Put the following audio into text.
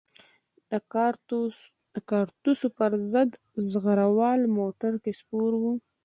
د کارتوسو په ضد زغره وال موټر کې سپور وو.